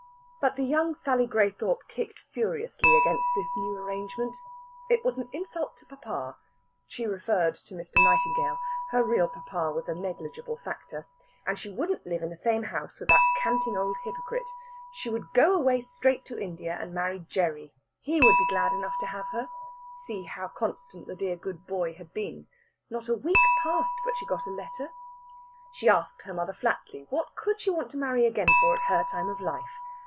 But the young Sally Graythorpe kicked furiously against this new arrangement. It was an insult to papa (she referred to Mr. Nightingale; her real papa was a negligible factor), and she wouldn't live in the same house with that canting old hypocrite. She would go away straight to India, and marry Gerry he would be glad enough to have her see how constant the dear good boy had been! Not a week passed but she got a letter. She asked her mother flatly what could she want to marry again for at her time of life?